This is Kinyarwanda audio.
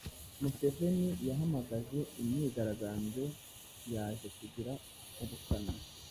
Museveni yahamagaje imyigaragambyo yaje kugira ubukana